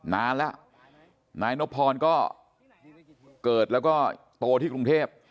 นานแล้วนายนพรก็เกิดแล้วก็โตที่กรุงเทพ